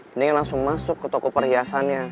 mendingan langsung masuk ke toko perhiasannya